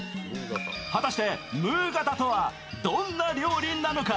果たしてムーガタとはどんな料理なのか。